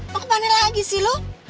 lu ke mana lagi sih